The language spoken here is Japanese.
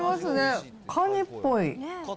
カニっぽい。